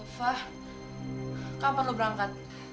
fah kapan lo berangkat